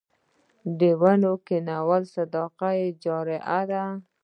د ونو کینول صدقه جاریه ده.